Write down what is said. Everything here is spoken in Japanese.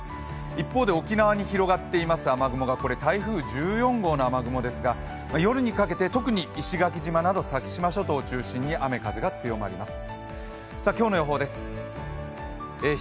一方で沖縄に広がっている雨雲が、これ台風１４号の雨雲ですが夜にかけて特に石垣島など先島諸島を中心に雨・風が強まります。